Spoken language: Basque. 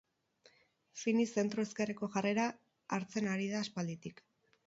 Fini zentro-ezkerreko jarrera hartzen ari da aspalditik.